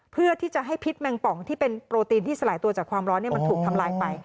เพื่อที่จะให้พิษแมงป่องที่เป็นโปรตีนที่สลายตัวจากความร้อนมันถูกทำลายไป